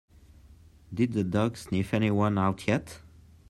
Did the dog sniff anyone out yet?